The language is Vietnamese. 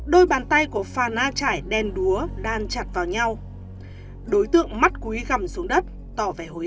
đôi bàn tay của phà na trải đen đúa đan chặt vào nhau đối tượng mắt quý gầm xuống đất tỏ về hối